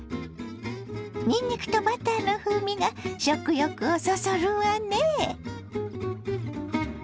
にんにくとバターの風味が食欲をそそるわね。